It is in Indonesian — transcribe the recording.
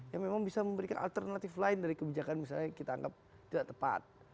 yang memang bisa memberikan alternatif lain dari kebijakan misalnya yang kita anggap tidak tepat